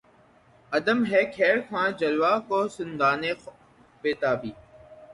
عدم ہے خیر خواہ جلوہ کو زندان بیتابی